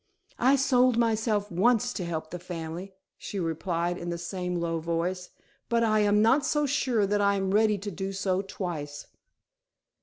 "I sold myself once to help the family," she replied in the same low voice; "but I am not so sure that I am ready to do so twice."